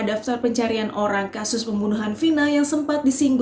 kompas polri menjelaskan soal hilangnya dua nama